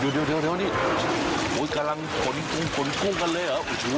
เดี๋ยวนี่กำลังขนกุ้งกันเลยหรอ